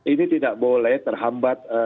ini tidak boleh terhambat